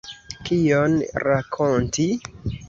Kion rakonti?